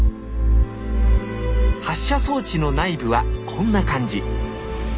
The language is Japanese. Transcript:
発射装置の内部はこんな感じ。